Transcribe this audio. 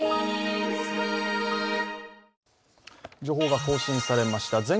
情報が更新されました。